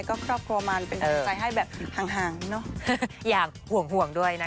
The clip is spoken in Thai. ซึ่งเป็นอะไรที่ดีกว่าเกี่ยว